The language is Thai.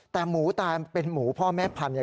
แต่หมูตายเป็นหมูพ่อแม่พันธุเนี่ย